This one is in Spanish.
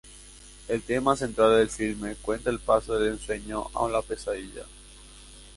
El tema central del filme cuenta el paso del ensueño a la pesadilla.